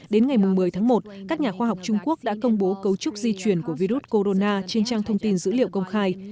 đến ngày một mươi tháng một các nhà khoa học trung quốc đã công bố cấu trúc di chuyển của virus corona trên trang thông tin dữ liệu công khai